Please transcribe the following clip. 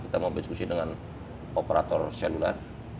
kita mau berdiskusi dengan operator seluler